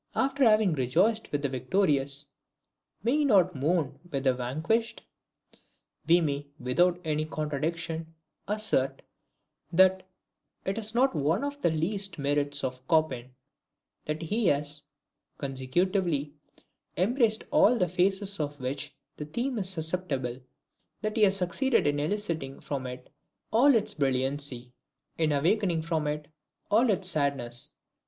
After having rejoiced with the victorious, may he not mourn with the vanquished? We may, without any fear of contradiction, assert, that it is not one of the least merits of Chopin, that he has, consecutively, embraced ALL the phases of which the theme is susceptible, that he has succeeded in eliciting from it all its brilliancy, in awakening from it all its sadness.